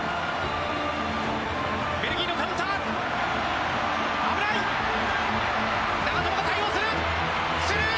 ベルギーのカウンター。